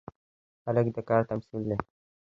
هلک د کار تمثیل دی.